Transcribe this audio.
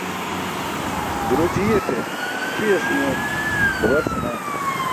Duro jiyate, ṣiyas uyoon baber senaan.